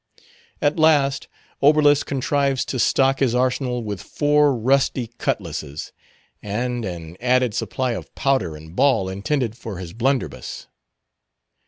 At last, Oberlus contrives to stock his arsenal with four rusty cutlasses, and an added supply of powder and ball intended for his blunderbuss.